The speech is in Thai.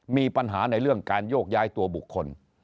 มีปัญหาในเรื่องการโยกย้ายตัวบุคคล